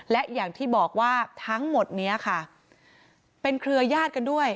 และอย่างที่บอกว่าทั้งหมดนี้ค่ะเป็นเครือยาศกันด้วย